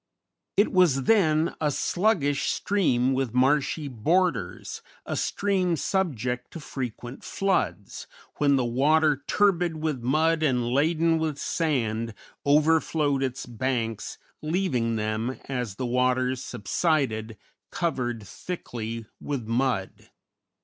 It was then a sluggish stream with marshy borders, a stream subject to frequent floods, when the water, turbid with mud and laden with sand, overflowed its banks, leaving them, as the waters subsided, covered thickly with mud.